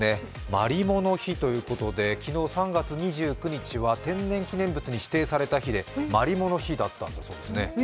マリモの日ということで昨日、３月２９日は天然記念物に指定された日で、マリモの日だったそうですね。